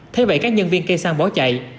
thế vậy các nhân viên cây xăng bó chạy